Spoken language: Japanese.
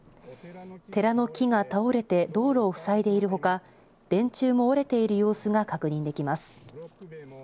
寺の木が倒れて道路を塞いでいるほか電柱も折れている様子が確認できます。